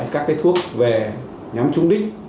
các thuốc về nhắm trúng đích